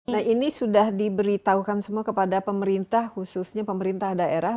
nah ini sudah diberitahukan semua kepada pemerintah khususnya pemerintah daerah